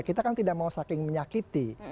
kita kan tidak mau saking menyakiti